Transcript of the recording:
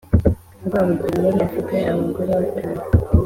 rwabugiri yari afite abagore batanu